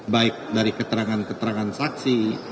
baik dari keterangan keterangan saksi